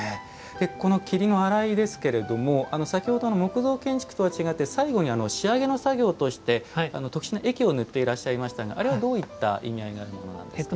この桐の洗いですけれども先ほどの木造建築とは違って最後に仕上げの作業として特殊な液を塗っていらっしゃいましたがあれはどういった意味合いがあるものなんですか。